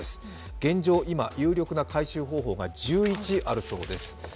現状、有力な回収方法が１１あるそうです。